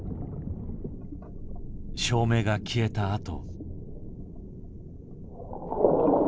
照明が消えたあと。